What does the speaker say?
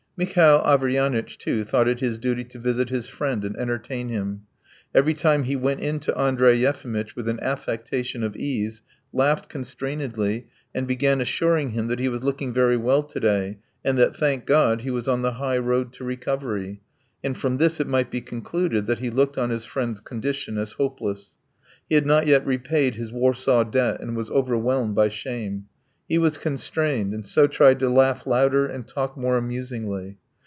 Mihail Averyanitch, too, thought it his duty to visit his friend and entertain him. Every time he went in to Andrey Yefimitch with an affectation of ease, laughed constrainedly, and began assuring him that he was looking very well to day, and that, thank God, he was on the highroad to recovery, and from this it might be concluded that he looked on his friend's condition as hopeless. He had not yet repaid his Warsaw debt, and was overwhelmed by shame; he was constrained, and so tried to laugh louder and talk more amusingly.